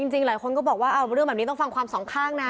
หลายคนก็บอกว่าเรื่องแบบนี้ต้องฟังความสองข้างนะ